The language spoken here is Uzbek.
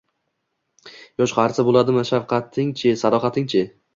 yosh-qarisi bo'ladimi? Shafqatning-chi? Sadoqatning-chi?